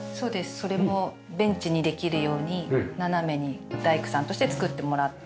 それもベンチにできるように斜めに大工さんとして作ってもらって。